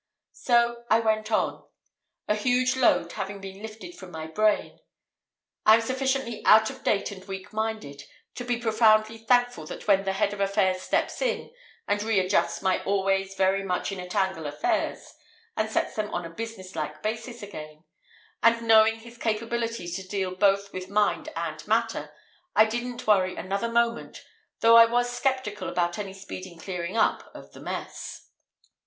So I went on, a huge load having been lifted from my brain. I am sufficiently out of date and weak minded to be profoundly thankful when the Head of Affairs steps in and re adjusts my always very much in a tangle affairs, and sets them on a business like basis again: and knowing his capability to deal both with mind and matter, I didn't worry another moment, though I was sceptical about any speedy clearing up of the mess!